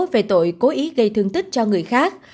về tội cố ý gây thương tích cho người khác